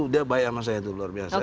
dia baik sama saya itu luar biasa